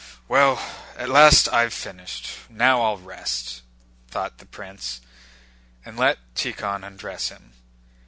"Well, at last I've finished, now I'll rest," thought the prince, and let Tíkhon undress him.